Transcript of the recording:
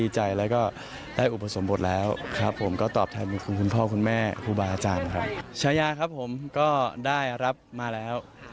ชายาครับผมก็ได้รับมาแล้ว